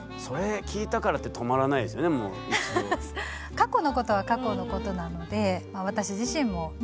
過去のことは過去のことなので私自身もね